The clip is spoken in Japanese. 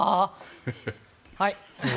はい。